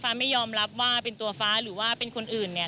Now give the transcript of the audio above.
ไม่ยอมรับว่าเป็นตัวฟ้าหรือว่าเป็นคนอื่นเนี่ย